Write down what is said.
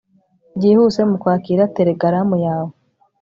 Byihuse mukwakira telegaramu yawe